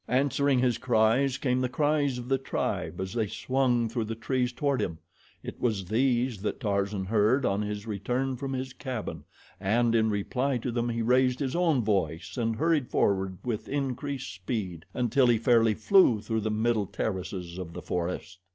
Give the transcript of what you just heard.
Answering his cries came the cries of the tribe as they swung through the trees toward him. It was these that Tarzan heard on his return from his cabin, and in reply to them he raised his own voice and hurried forward with increased speed until he fairly flew through the middle terraces of the forest.